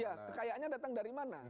iya kekayaannya datang dari mana